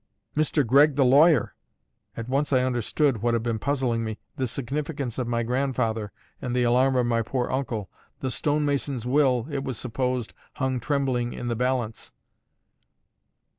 "Mr. Gregg the lawyer!" At once I understood (what had been puzzling me) the significance of my grandfather and the alarm of my poor uncle: the stonemason's will, it was supposed, hung trembling in the balance.